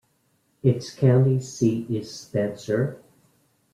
Its county seat is Spencer.